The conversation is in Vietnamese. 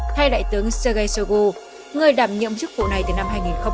thay đại tướng sergei shoigu người đảm nhiệm chức vụ này từ năm hai nghìn một mươi